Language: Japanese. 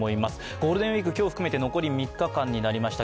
ゴールデンウイーク、今日含めて残り３日間となりました。